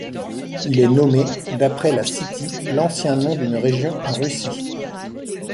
Il est nommé d'après la Scythie, l'ancien nom d'une région en Russie.